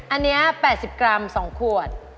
อันนี้๘๐กรัม๒ขวด